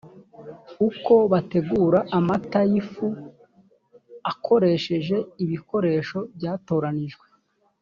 uko bategura amata y ifu akoresheje ibikoresho byatoranyijwe